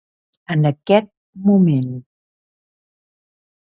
En aquest moment.